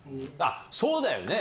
そうだよね。